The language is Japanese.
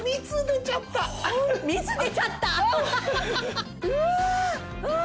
蜜出ちゃった。